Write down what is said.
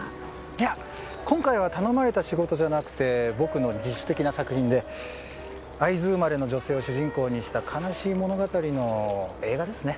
いや今回は頼まれた仕事じゃなくて僕の自主的な作品で会津生まれの女性を主人公にした悲しい物語の映画ですね。